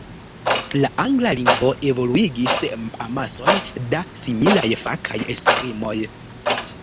La angla lingvo evoluigis amason da similaj fakaj esprimoj.